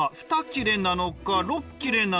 ６切れなのか？